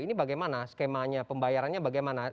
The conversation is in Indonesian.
ini bagaimana skemanya pembayarannya bagaimana